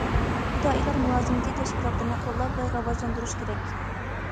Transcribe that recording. پىدائىيلار مۇلازىمىتى تەشكىلاتلىرىنى قوللاپ ۋە راۋاجلاندۇرۇش كېرەك.